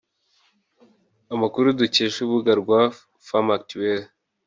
Amakuru dukesha urubuga rwa femme actuelle